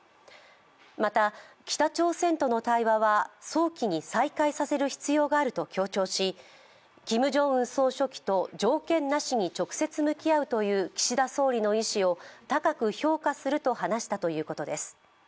また北朝鮮との対話は早期に再開させる必要があると強調しキム・ジョンウン総書記と条件なしに直接向き合うという岸田総理の意思を高く評価すると話したということです。